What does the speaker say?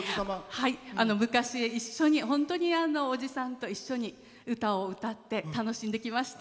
昔、一緒におじさんと歌を歌って、楽しんできました。